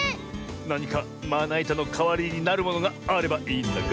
なにかまないたのかわりになるものがあればいいんだが。